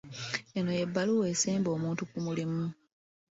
Eno y'ebbaluwa esemba omuntu ku mulimu.